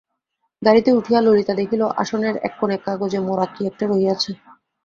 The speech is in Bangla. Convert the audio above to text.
গাড়িতে উঠিয়া ললিতা দেখিল আসনের এক কোণে কাগজে মোড়া কী-একটা রহিয়াছে।